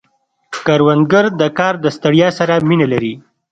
کروندګر د کار د ستړیا سره مینه لري